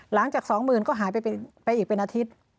หลังจากสองหมื่นก็หายไปอีกเป็นอาทิตย์